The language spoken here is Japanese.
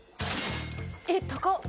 えっ高っ！